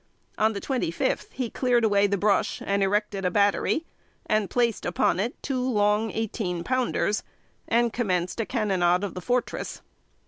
On the twenty fifth, he cleared away the brush and erected a battery, and placed upon it two long eighteen pounders, and commenced a cannonade of the fortress.